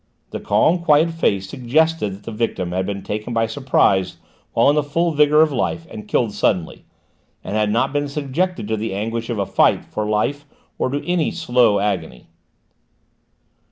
The calm, quiet face suggested that the victim had been taken by surprise while in the full vigour of life and killed suddenly, and had not been subjected to the anguish of a fight for life or to any slow agony.